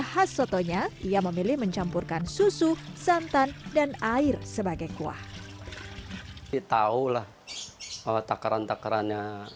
khas sotonya ia memilih mencampurkan susu santan dan air sebagai kuah ditaulah bahwa takaran takarannya